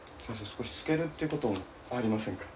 少し透けるということもありませんか？